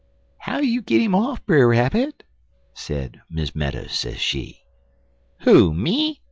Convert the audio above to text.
"'How you git 'im off, Brer Rabbit?' sez Miss Meadows, sez she. "'Who? me?'